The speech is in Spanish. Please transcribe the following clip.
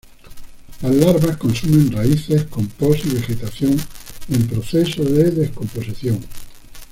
Las larvas consumen raíces, compost y vegetación en proceso de descomposición.